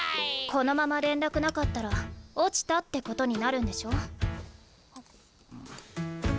このまま連絡なかったら落ちたってことになるんでしょ？